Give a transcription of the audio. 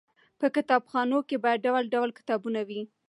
په کتابخانو کې باید ډول ډول کتابونه وي.